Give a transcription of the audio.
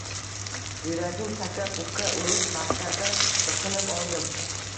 Yuragim taka-puka urib, battardan biqinib oldim